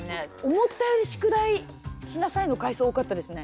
思ったより宿題しなさいの回数多かったですね。